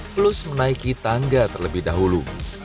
plus menaiki tangga terlebih dahulu